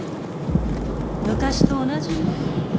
昔と同じね。